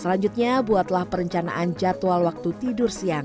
selanjutnya buatlah perencanaan jadwal waktu tidur siang